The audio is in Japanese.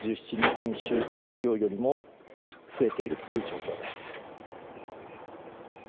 先週月曜より増えている状況です。